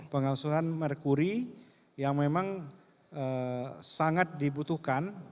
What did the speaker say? pengasuhan merkuri yang memang sangat dibutuhkan